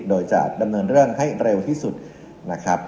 โดยจะดำเนินเรื่องให้เร็วที่สุดนะครับ